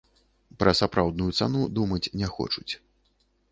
Пра сапраўдную цану думаць не хочуць.